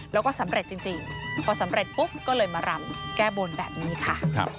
แล้วก็สำเร็จจริงพอสำเร็จปุ๊บก็เลยมารำแก้บนแบบนี้ค่ะ